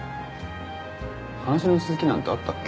話の続きなんてあったっけ？